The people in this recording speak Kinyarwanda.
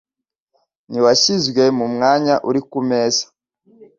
Ntiyashyizwe mu mwanya uri kumeza